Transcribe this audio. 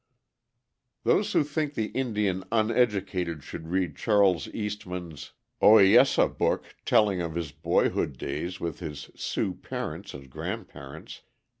Those who think the Indian uneducated should read Charles Eastman's (Ohiyesa) book telling of his boyhood days with his Sioux parents and grandparents.